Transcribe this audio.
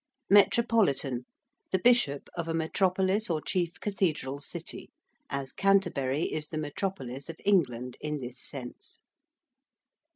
~metropolitan~: the bishop of a metropolis or chief cathedral city, as Canterbury is the metropolis of England in this sense.